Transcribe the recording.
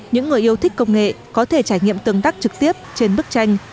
những người yêu thích công nghệ có thể trải nghiệm tương tác trực tiếp trên bức tranh